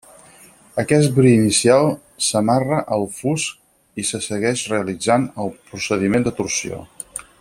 Aquest bri inicial s'amarra al fus i se segueix realitzant el procediment de torsió.